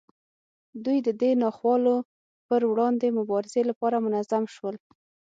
دوی د دې ناخوالو پر وړاندې مبارزې لپاره منظم شول.